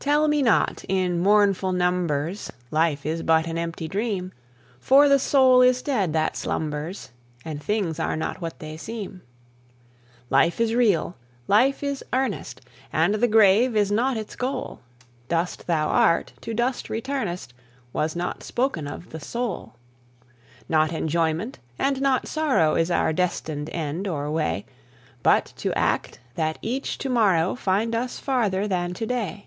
Tell me not, in mournful numbers, Life is but an empty dream! For the soul is dead that slumbers, And things are not what they seem. Life is real! Life is earnest! And the grave is not its goal; Dust thou art, to dust returnest, Was not spoken of the soul. Not enjoyment, and not sorrow, Is our destined end or way; But to act, that each to morrow Find us farther than to day.